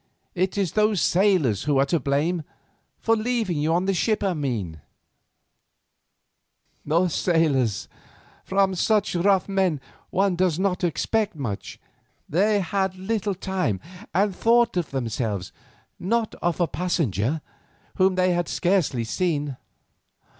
"It is those sailors who are to blame—for leaving you on the ship, I mean." She shrugged her shoulders contemptuously. "The sailors! From such rough men one does not expect much. They had little time, and thought of themselves, not of a passenger, whom they had scarcely seen.